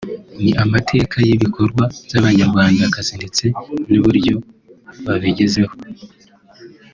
ni amateka y’ibikorwa by’Abanyarwandakazi ndetse n’uburyo babigezeho